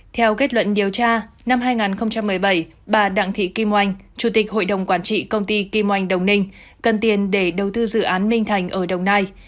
theo kết luận điều tra năm hai nghìn một mươi bảy bà đặng thị kim oanh chủ tịch hội đồng quản trị công ty kim oanh đồng ninh cần tiền để đầu tư dự án minh thành ở đồng nai